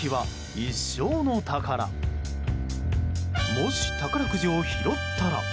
もし宝くじを拾ったら。